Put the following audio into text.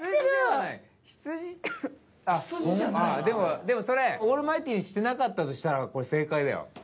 でもそれオールマイティーにしてなかったとしたらこれ正解だよ。